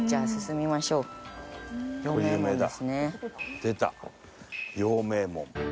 出た陽明門。